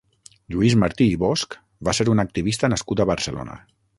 Lluís Martí i Bosch va ser un activista nascut a Barcelona.